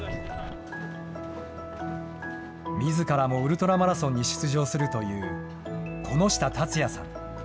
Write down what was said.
みずからもウルトラマラソンに出場するという此下竜矢さん。